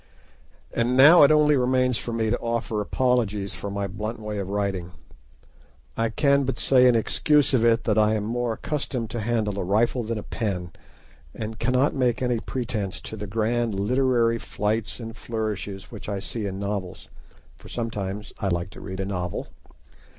And now it only remains for me to offer apologies for my blunt way of writing. I can but say in excuse of it that I am more accustomed to handle a rifle than a pen, and cannot make any pretence to the grand literary flights and flourishes which I see in novels—for sometimes I like to read a novel.